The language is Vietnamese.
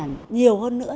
nhiều hơn nữa nhiều hơn nữa